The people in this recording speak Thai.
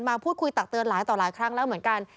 มาพูดคุยตักเตือนหลายต่อหลายครั้งแล้วเหมือนกัน